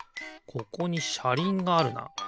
ここにしゃりんがあるな。